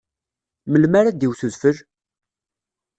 Melmi ara d-iwet udfel?